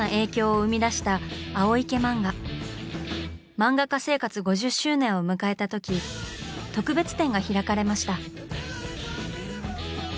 漫画家生活５０周年を迎えたとき特別展が開かれました。